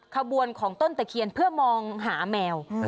ขบวนของต้นตะเคียนเพื่อมองหาแมว